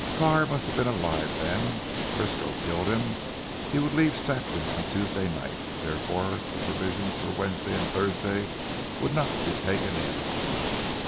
Carr must have been alive then. If Frisco killed him, he would leave Saxham on Tuesday night, therefore the provisions for Wednesday and Thursday would not be taken in."